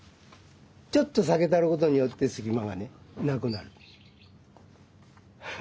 ちょっと下げたることによって隙間がねなくなる。